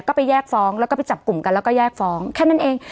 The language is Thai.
ก็ไปแยกฟ้องแล้วก็ไปจับกลุ่มกันแล้วก็แยกฟ้องแค่นั้นเอง